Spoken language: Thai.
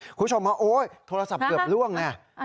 คุณผู้ชมโอ้ยโทรศัพท์เกือบร่วงละ